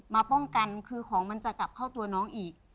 มาป้องกันคือของมันจะกลับเข้าตัวน้องอีก